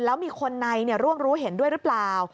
แล้วมีคนในร่วมรู้เห็นด้วยหรือเปล่า